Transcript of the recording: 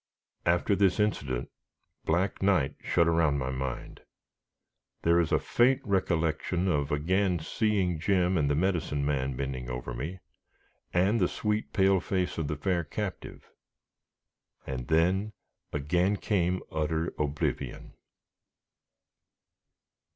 After this incident, black night shut around my mind. There is a faint recollection of again seeing Jim and the Medicine Man bending over me, and the sweet pale face of the fair captive, and then again came utter oblivion.